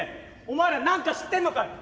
お前ら何か知ってんのかよ？」。